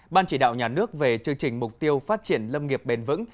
ban chỉ đạo nhà nước về chương trình mục tiêu phát triển lâm nghiệp bền vững